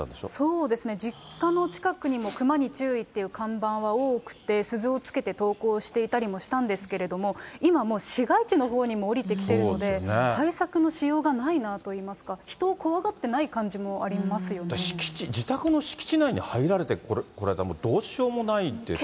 そうですね。実家の近くにもクマに注意っていう看板は多くて、鈴をつけて登校していたりもしていたんですけれども、今、もう市街地のほうにも下りてきてるので、対策のしようがないなと言いますか、人を怖がってない感じもあり敷地、自宅の敷地内に入られてこられたら、もうどうしようもないですよ